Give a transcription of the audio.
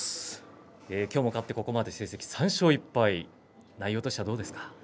きょうも勝って、ここまで３勝１敗、内容はどうですか？